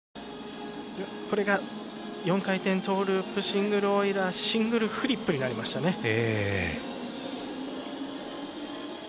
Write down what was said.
これが４回転トーループシングルオイラーシングルフリップになりましたね。